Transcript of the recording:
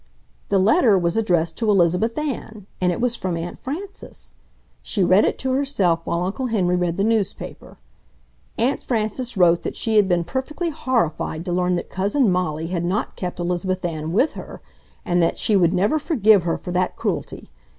The letter was addressed to Elizabeth Ann and it was from Aunt Frances. She read it to herself while Uncle Henry read the newspaper. Aunt Frances wrote that she had been perfectly horrified to learn that Cousin Molly had not kept Elizabeth Ann with her, and that she would never forgive her for that cruelty.